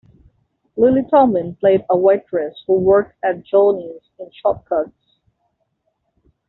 Lily Tomlin played a waitress who worked at Johnie's in "Short Cuts".